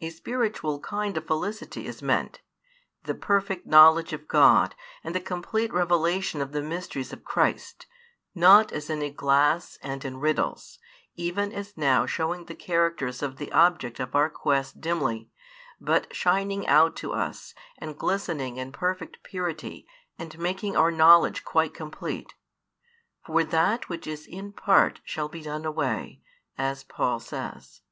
A spiritual kind of felicity is meant, the perfect knowledge of God and the complete revelation of the mysteries of Christ, not as in a glass and in riddles, even as now showing the characters of the object of our quest dimly, but shining out to us and glistening in perfect purity and making our knowledge quite complete. For that which is in part shall be done away, as Paul says.